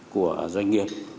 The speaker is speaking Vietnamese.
của doanh nghiệp